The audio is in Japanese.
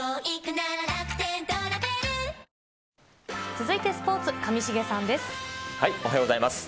続いてスポーツ、上重さんでおはようございます。